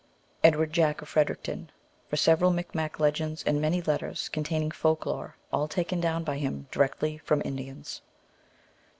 Edward Jack, of Fredericton, for several Micmac legends and many letters containing folk lore, all taken down by him directly from Indians.